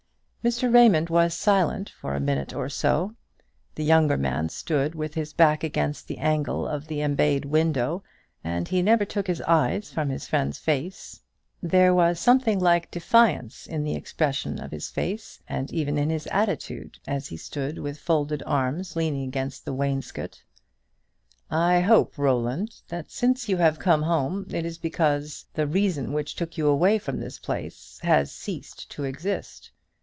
Mr. Raymond was silent for a minute or so. The younger man stood with his back against the angle of the embayed window, and he never took his eyes from his friend's face. There was something like defiance in the expression of his face, and even in his attitude, as he stood with folded arms leaning against the wainscot. "I hope, Roland, that since you have come home, it is because the reason which took you away from this place has ceased to exist.